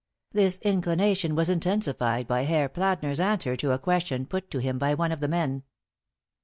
This inclination was intensified by Herr Plätner's answer to a question put to him by one of the men.